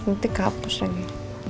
nanti kehapus lagi